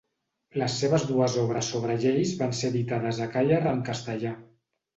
Les seves dues obres sobre lleis van ser editades a Càller en castellà.